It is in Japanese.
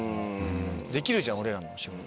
できるじゃん俺らの仕事。